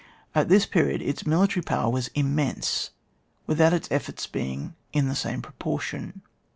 At this period its military power was immense, without its efforts being in the same pro portion.